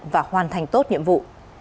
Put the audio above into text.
và hoàn thành tốt nhiệm vụ